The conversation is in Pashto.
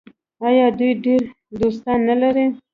آیا دوی ډیر دوستان نلري؟